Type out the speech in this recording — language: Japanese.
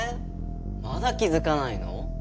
まだ気づかないの？